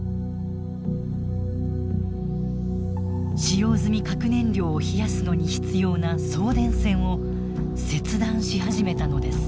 使用済み核燃料を冷やすのに必要な送電線を切断し始めたのです。